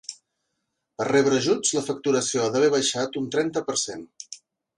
Per rebre ajuts, la facturació ha d’haver baixat un trenta per cent.